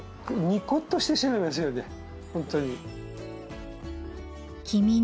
ニコっとしてしまいますよね